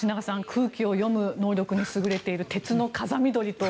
空気を読む能力に優れている鉄の風見鶏と。